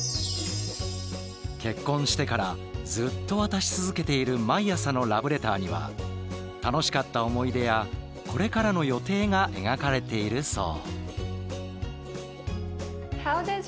結婚してからずっと渡し続けている毎朝のラブレターには楽しかった思い出やこれからの予定が描かれているそう。